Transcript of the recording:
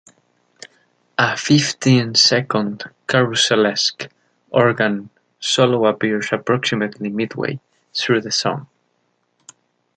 A fifteen-second "carousel-esque" organ solo appears approximately midway through the song.